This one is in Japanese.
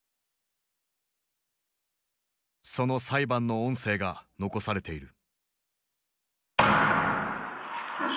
その裁判の音声が残されている。